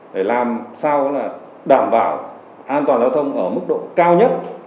để làm sao đảm bảo an toàn giao thông ở mức độ cao nhất